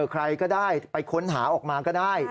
ใครก็ได้ไปค้นหาออกมาก็ได้